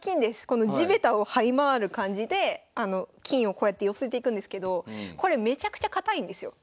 この地べたをはい回る感じで金をこうやって寄せていくんですけどこれめちゃくちゃ堅いんですよ。